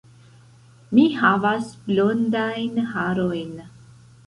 Mi havas blondajn harojn.